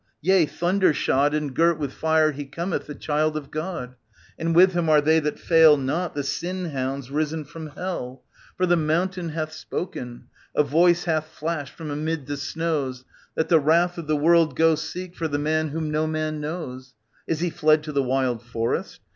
Yea, thunder shod And girt with fire he cometh, the Child of God j And with him are they that foil not, the Sin Hounds risen from Hell. For the mountain hath spoken, a voice hath flashed from amid the snows, Tbat the wrath of the world go seek for the man whom no man knows. Is he fled to the wild forest.